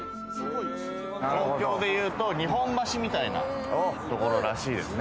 東京でいうと日本橋みたいなところらしいですね。